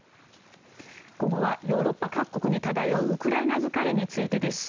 午後はヨーロッパ各国に漂うウクライナ疲れについてです。